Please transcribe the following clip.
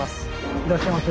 いらっしゃいませ。